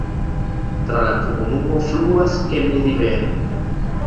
Tra la komunumo fluas Kemi-rivero.